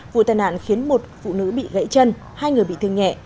vụ tai nạn khiến một phụ nữ bị gãy chân hai người bị thương nhẹ